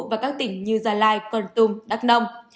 và các tỉnh như gia lai con tum đắk nông